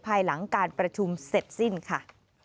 ภายหลังการประชุมเสร็จสิ้นค่ะ